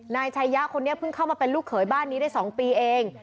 นายชายะคนนี้เพิ่งเข้ามาเป็นลูกเขยบ้านนี้ได้๒ปีเอง